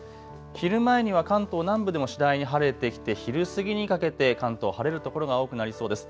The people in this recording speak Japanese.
昼前には関東南部でも次第に晴れてきて昼過ぎにかけて関東晴れる所が多くなりそうです。